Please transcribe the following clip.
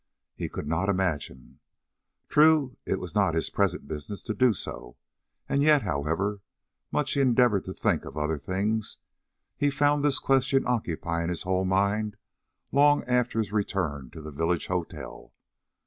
He could not imagine. True, it was not his present business to do so; and yet, however much he endeavored to think of other things, he found this question occupying his whole mind long after his return to the village hotel.